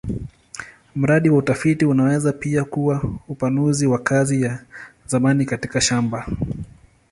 Mradi wa utafiti unaweza pia kuwa upanuzi wa kazi ya zamani katika shamba.